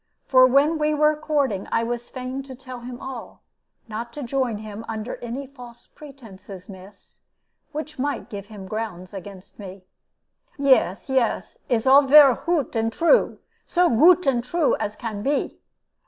For when we were courting I was fain to tell him all, not to join him under any false pretenses, miss, which might give him grounds against me." "Yes, yes, it is all vere goot and true so goot and true as can be."